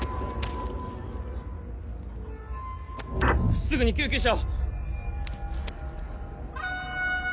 すぐに救急車を。